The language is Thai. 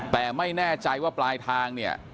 แต่ไม่แน่ใจว่าปลายทาง